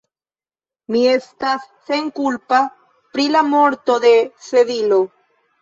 Mi estas senkulpa pri la morto de Sedilo.